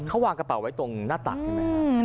เขาวางกระเป๋าไว้ตรงหน้าตักใช่ไหมครับ